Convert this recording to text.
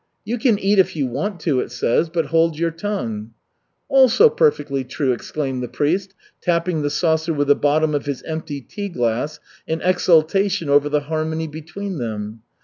'You can eat, if you want to,' it says, 'but hold your tongue.'" "Also perfectly true," exclaimed the priest, tapping the saucer with the bottom of his empty tea glass in exultation over the harmony between them.